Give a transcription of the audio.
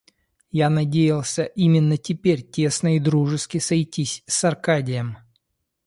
Я надеялся именно теперь тесно и дружески сойтись с Аркадием.